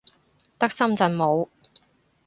得深圳冇